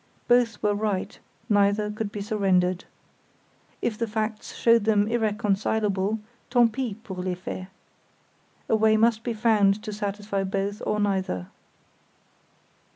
Both were right; neither could be surrendered. If the facts showed them irreconcilable, tant pis pour les faits. A way must be found to satisfy both or neither.